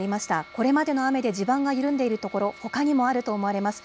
これまでの雨で地盤が緩んでいるところ、ほかにもあると思われます。